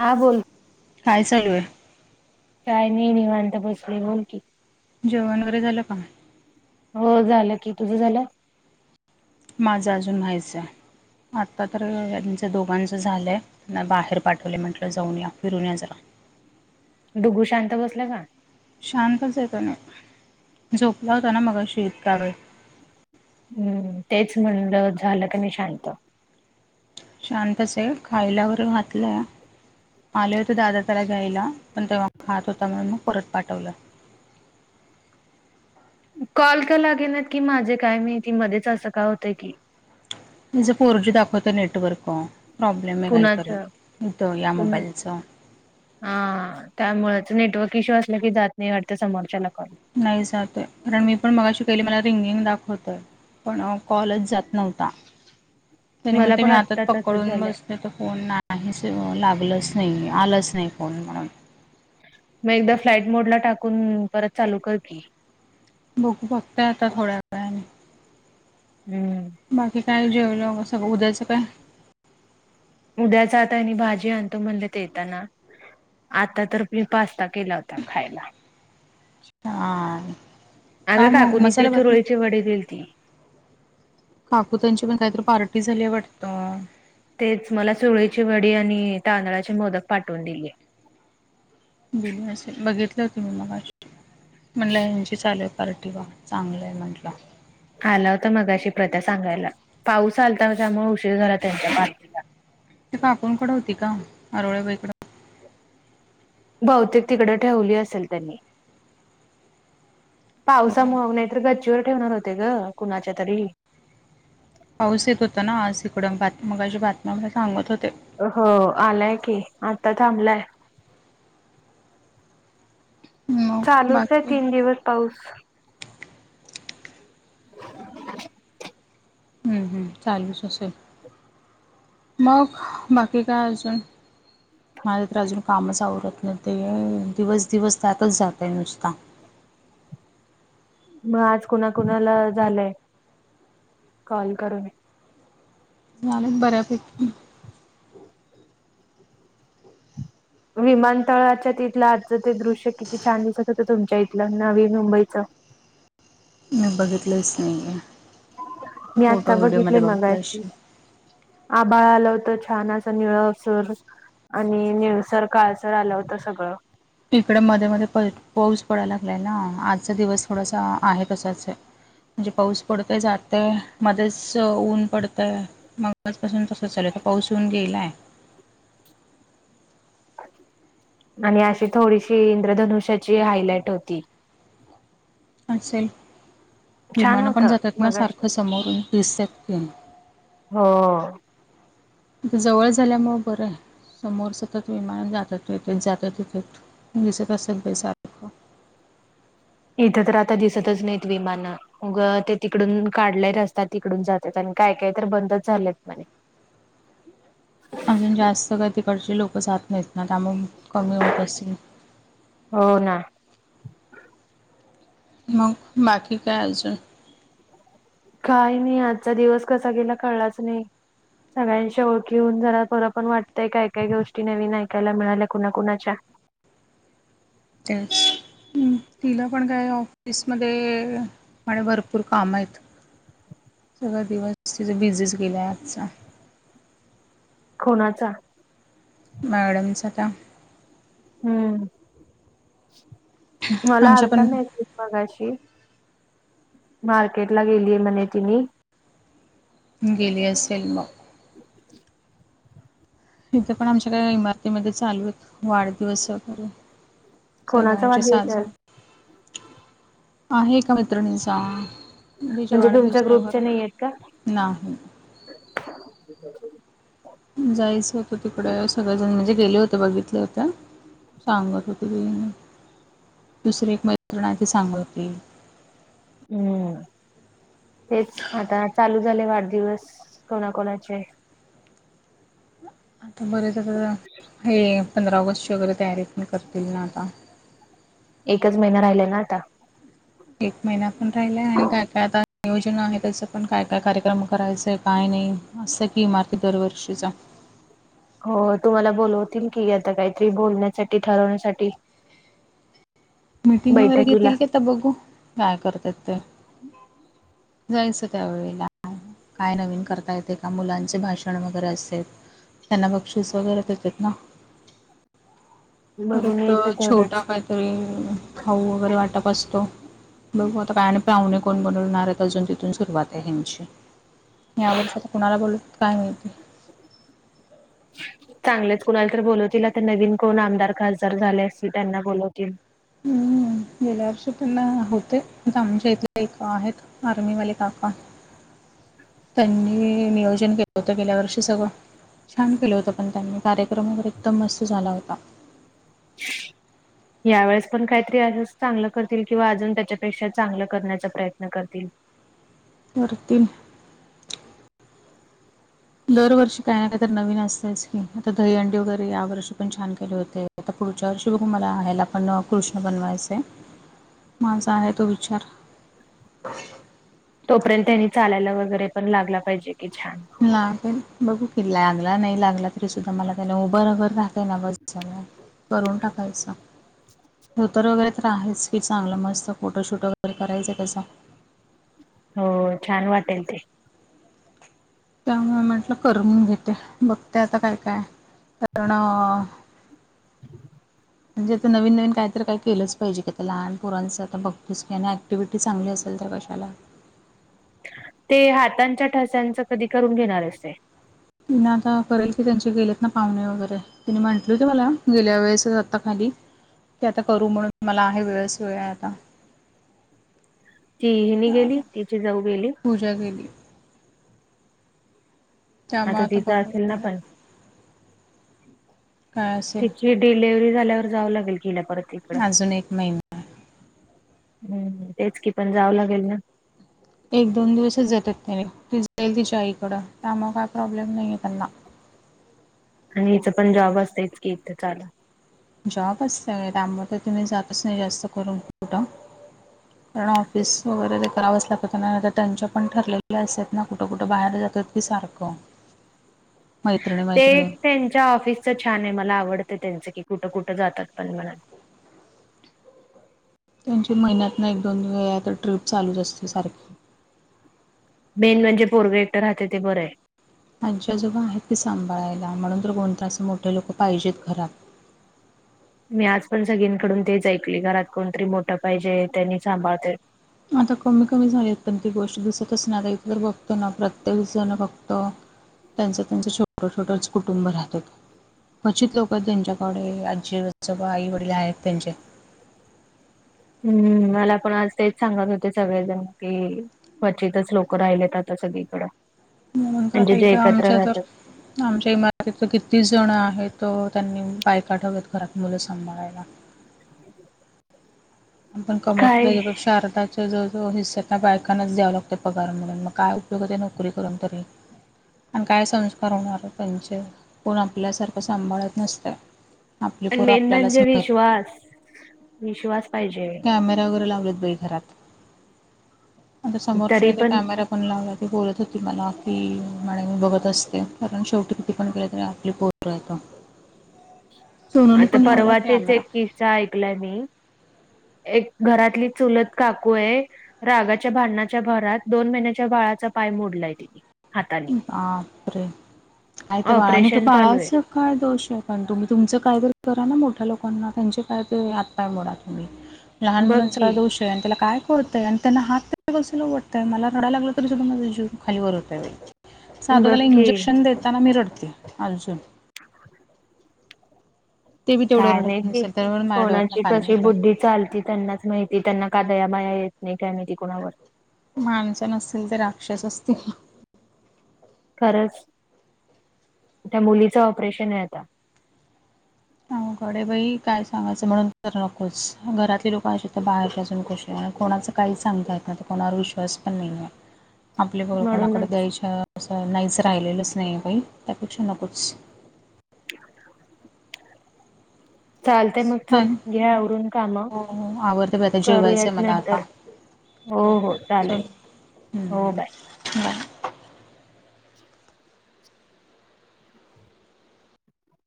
हा बोल. काय चालू य? काय नाही? निवांत बसलोय. बोल की? जेवण वगैरे झालं का? हो झालं की तुझं झालं? माझं अजून व्हायचं हाय. आता तर त्यांचं दोघांचं झालंय. ना बाहेर पाठवलय म्हटलं जाऊन याफिरू न या जरा. डुग्गु शांत बसला का? शांतच येतो ना झोपला होता ना मगाशी इतका वेळ. हम्म. तेच म्हणलं झालं का नाही शांत? शांतच हाय. खायल्या वर घातलंय. आले होते दादा त्याला घ्यायला, पण तेव्हा खात होता म्हणून मग परत पाठवलं. कॉल का लागेनात की माझे काय मेहती मध्येच असं काय होतं की. तिज फोर जी दाखवत नेटवर्क प्रॉब्लेम आहे कुणाच काहीतरी इथं या कुणा मोबाईलचं. हा. त्यामुळच नेटवर्क इश्यू असलं की जात नाही वाटत समोरच्याला कॉल. नाही जातय कारण मी पण मगाशी केली, मला रिंगिंग दाखवतय. पण कॉलच जात नव्हता. त्यानी मला मणते पण मी हातात आत्ता तसंच पकडून झालंय बस तर ते फोन नाहीच लागलंच नाही आलंच नाही फोन म्हणून मग एकदा फ्लाईट मोड ला टाकून परत चालू कर की? बघू. बघताय आता थोड्या वेळानी हम्म. बाकी काय जेवलं सगळं उद्याच काय? उद्याचा आता आणि भाजी आणतो म्हणले ते येताना. आता तर मी पास्ता केला होता खायला. छान अग का मग काकुनी त्या मसाले भात चुरळीचे वडे दिलती. काकू त्यांची पण काहीतरी पार्टी झालीया वाटतं. तेच मला सूरळीची वडी आणि तांदळाचे मोदक पाठवून दिलीय. बोली नसेल बघितले होते मी मगाशी म्हणला यांची चालू आहे पार्टी वा! चांगलं आहे म्हटलं. आला होता मगाशी प्रत्या सांगायला, पाऊस आलता त्यामुळे उशीर झाला त्यांचा पा ते काकुंन कड होती का आरवळे बाई कड? बहुतेक तिकडं ठेवली असेल. त्यांनी पावसा तर गच्चीवर ठेवणार होते ग कुणाच्या तरी. पाऊस येत होता ना आज तिकडं बात मगाशी बातम्या मध्ये सांगत होते. हो आलाय की आता थांबलाय. मग चालूच आहे बाकी तीन दिवस पाऊस. [unintelligible] हम्म चालूच असेल, मग बाकी काय अजून? माझं तर अजून कामच आवरत नाही ते दिवस दिवस त्यातच जात आहे नुसता. मग आज कुणाकुणाला झालंय कॉल करून? झाले बऱ्यापैकी! विमानतळाच्या तिथलं आजचं ते दृश्य किती छान दिसत होतं तुमच्या इथलं नवी मुंबईचं. मी बघितलंच नाही. मी आत्ता बघितलय बघितलं मगाशी! अशी आभाळ आलं होत छान असा निळ सर! आणि निळसर काळसर आलं होतं सगळं. इकड मध्ये मध्ये पाऊस पडायला लागलाय ना आजचा दिवस थोडासा आहे तसाच आहे. म्हणजे पाऊस पडतय जातय, मध्येच ऊन पडतंय. मगाच पासून तस चालूय आता पाऊस येऊन गेलाय. आणि अशी थोडीशी इंद्रधनुष्याची हायलाइट होती. असेल छान विमानं पण होतं जातात ना मगाशी सारखं समोरून दिसतेस की. हो! इथे जवळ झाल्यामुळं बरं आहे समोर सतत विमान जातात येत्यात जातात येतात. दिसत असेल ते सा इथं तर आता दिसतच नाहीत विमानं. आग ते तिकडून काढले रस्ता तिकडून जातात आणि काय काय तर बंदच झालेत म्हणे. अजून जास्त काय तिकडची लोकं जात नाहीत ना त्यामुळे कमी होत असतील. हो ना! मग बाकी काय आजून? काही नाही आजचा दिवस कसा गेला कळलाच नाही. सगळ्यांशी ओळखी होऊन जरा बर पण वाटतंय काय काही गोष्टी नवीन ऐकायला मिळाल्या कुणाकुणाच्या. काय तिला पण काय ऑफिसमध्ये आणि भरपूर काम आहेत सगळा दिवस तिचा बिझीस गेलाय आजचा. कोणाचा? मॅडम त्या! हम्म मला आमच्या आलता पण मेसेज मगाशी. मार्केट ला गेलीय म्हणे तिनि. गेली असेल मग! [inaudible] हित पण आमच्या काय इमारतीमध्ये चालू आहेत वाढदिवस वगैरे कोणाचा सगळ्यांचे वाढदिवस साज, आहे आज आहे का मित्रिणींचा. तीज्या म्हणजे तुमच्या वाढदिवसाला वर ग्रुपचे नाही आहेत का? नाही. [inaudible] जायचं होतं तिकड सगळेजण म्हणजे गेले होते बघितले होत्या. सांगत होती दुसरी एक मैत्रण आहे सांगत होती. हम्म! तेच आता चालू झाले वाढदिवस कोणाकणाचे. आता बरेच हे पंधरा ऑगस्टची वगैरे तयारी बी करतील ना आता. एकच महिना राहिलाय ना आता. एक महिना पण राहिलाय आणि काय काय आता योजना आहे त्याचं पण काय काय कार्यक्रम करायचं काय नाही असतं की इमारती दरवर्षीचा हो तुम्हाला बोलवतील की आता काहीतरी बोलण्यासाठी ठरवण्यासाठी? मीटिंग वगैरे बैठकीला. घेतील की आता बघू काय करतात ते. जायचं त्या वेळेला काय नवीन करता येते का मुलांचे भाषण वगैरे असते त्यांना बक्षीस वगैरे देत आहेत ना बघून परत यायचं छोटा तेवढंच. काहीतरी खाऊ वगैरे वाटप असतो बघू आता काय आणि पाहुणे कोण कोणणार अजून तिथून सुरुवात आहे हची यावर्षी आता कुणाला बोलत काय मिळते चांगलेच कुणाला तर बोलवतील आता नवीन कोण आमदार खासदार झाले अस त्यांना बोलवतील हम्म गेल्या वर्षी त्यांना होतेमच्या इथले एक आहेत आर्मीवाले काका त्यांनी नियोजन केलं होतं गेल्या वर्षी सगळं छान केलं होत पण त्यांनी कार्यक्रम वगैर एकदम मस्त झाला होता ह् यावेेळेस पण काहीतरी आज चांगलं करतील किंवा अजून त्याच्यापेक्षा चांगलं करण्याचा प्रयत्न करतील करतीन दरवर्षी काय नाही काय तर नवीन असतच आता दहीहंडी वगैरे या वर्षी पण छान केले होते आता पुढच्या वर्षी बघू मला आहेहायला पण कृष्ण बनवायस माझा आहे तो विचार तोपर्यंत त्यांनी चालायला वगैरे पण लागला पाहिजे की छान लाग बघू किला लागला नाही लागला तरी सुद्धा मला त्याने उबर अबर राहतय ना बसला करून टाकायचा ोतर वगैरे तर आहेच की चांगलं मस्त फोटोशूट वगैरे करायचं त्याचा हो छान वाटेल ते त्यामुळे म्हटलं करून घेते बघते आता काय काय कारण [inaudible] म्हणजे आता नवीन नवीन काहीत काय केलंच पाहिजेी आता लहानपोरांचं आता बघतची आणि ॲक्िव्हिटी चांली असेल तर कशाला ते हातांच्या ठस्यांच कधी करून घेणार असते ना आता करेल की त्यांचे गेलेत ना पाहुणे वगैरे तिने म्हटलं होत मला गेल्या वेळेस आता खाली ते आता करू म्हणून मला आहे वेळस वेळ आहे आता ती हनी गेली आता तिची जाऊ गेली पूजा केली त्यामुळे आता तिचं बघू असेल ना पण काय असेल त्याची डिलेिवर्हरी झाल्यावर जावं लागेल गेल्या परत इकडं अजून एक महिना हम् तेच की पण जावं लागेल ना एक दोन दिवसच जातात त्याने ती जाईल तिच्या आईकडं त्यामुळेग काय प्रॉब्लेम नाही आहे त्यांना आणि हिचं पण जॉब असत इत की इथे चाला जॉब असत त्याबर तर तुम्ही जातच नाही जास्त करून कठं [inaudible] कारण ऑफिस वगैरे ते करावंच लागत नाही तर त्यांच्या पण ठरलेल्या अस आहेत ना कुठं कुठं बाहेर जात आहेत की सारखं मैत्रिणी ते मैत्रिणी त्यांच्या ऑफिस छान आहे मला आवडतं त्यांचं की कुठं कुठं जातात पण मला त्यांची महिन्यात ना एक दोन वेळा आता ट्र्रीप चालूच असते सारखी मेन म्हणजे पोरग एकक्टर राहते ते बरं आहे त्यांच्याजोब आहेत तेी सांभाळायला म्हणून तर कोण तास मोठे लोक पाहिजेत घरात मी आज पण सगळीकडून तेच ऐकली घरात कोणतरी मोठं पाहिजे त्यांनी सांभाळते आता कमी कमी झालीत पण ती गोष्ट दिसत असणार इथ तर बघतो ना प्रत्येक जण बघतो त्यांचं त्यांचं छोटं छोटंच कुटुंब राहतो क्चित लोक आहेत त्यांच्याकडे आजी स आई वडील आहेत त्यांचे हम्म मला पण आज तेच सांगत होते सगळेजण की क्वचितच लोक राहिलेत आता सगळीकडें नंतर आता इथं आमच्या जर आमच्या इमारतीत तर कितीस जण आहेत त त्यांनी बायक आठवत घरात मुलं सांभाळायला आपण कमवतो काय त्याच्या शारदा त्या जो जो हिस्सा्या काय बायकांच द्यावं लागतं पगार म्हणून मग काय उपयोग होते नोकरी करून तरी आणि काय संस्कार होणार त्यांचे कोण आपल्यासारखं सांभाळत नसतं आपली पण पोरं मेन आपल्यालाच म्हणजे माहीत विश्वास विश्वास पाहिजे क व सम क पण लावला ते बोलत होती मलाी म्ह मी बघत असते कारण शेवटी किती पण केले तरी आपली पो यत आता परवाचेच कॅमेरा एक किस्सा ऐकलाय मी एक घरातली चुलत काकू आहे रागाच्या भांडणाच्या भरात दोन महिन्याच्या बाळाचा पाय मोडलाय तिने हाताने बापरे आयता बाळा का ऑपरेशन चालू फ आहे स काळ दोष आहेत पण तुम्ही तुमचं काय तरी करा ना मोठ्या लोकांना त्यांचे काय तरी आातपाय मोडा तुम्ही लहान बघ मुलांचा की दोष त्याला काय करतंय आणि त्यांना हातलवडतंय मला रडाय लागलं तरी सुद्धा माझा जीव खाली वरत साधा बघ त्याला की इंजेक्शन देताना मी रडते अजून ते बी तेवढं काय नाही रडत की नसेल त्यामुळे माझ्या डोळ्यातनं कोणाची पाणी कशी होतंय. बुद्धी चालती त्यांनाच माहिती त्यांना का दया बाया येत नाही काय माहिती कोणावर माणसं नसतील तर राक्षस असतील खरंच त्या मुलीच ऑपरेशन आहेता अ घडे बाई काय सांगायचं म्हणून तर नकोच घरातली लोकं अशी तर बाहेरपजून कुश कोणाच काही सांगता आहेत ना तर कोणावर विश्वास पण नाही आहे [inaudible] आपले बर कोणाकडे म्हणूनच द्यायच्या असं नाहीचं राहिलेलंच नाही काही त्यापेक्षा नकोच चालते मग हा चल घ्या आवरवरून काम हो हो आवरते बाई आता जेवायचं आहे करूयात मला आता नंतर हो हो चालेल चल हो हं, बाय बाय